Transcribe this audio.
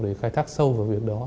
để khai thác sâu vào việc đó